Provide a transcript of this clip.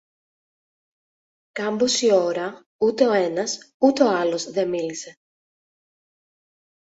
Κάμποση ώρα ούτε ο ένας ούτε ο άλλος δε μίλησε.